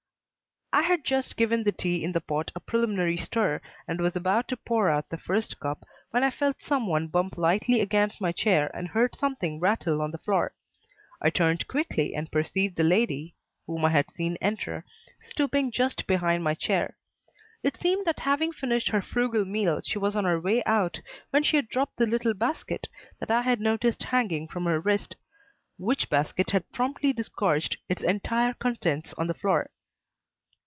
I had just given the tea in the pot a preliminary stir and was about to pour out the first cup when I felt some one bump lightly against my chair and heard something rattle on the floor. I turned quickly and perceived the lady, whom I had seen enter, stooping just behind my chair. It seemed that having finished her frugal meal she was on her way out when she had dropped the little basket that I had noticed hanging from her wrist; which basket had promptly disgorged its entire contents on the floor.